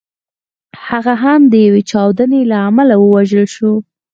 هغه هم د یوې چاودنې له امله ووژل شو.